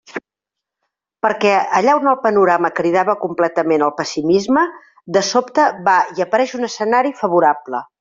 Perquè allà on el panorama cridava completament al pessimisme, de sobte va i apareix un escenari favorable.